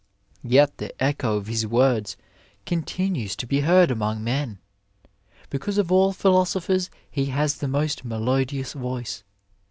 Yet the echo of his words continues to be heard among men, because of all philosophers he has the most melodious voice.